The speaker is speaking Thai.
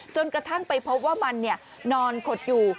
จนกระทั่งไปพบว่ามันนอนขดอยู่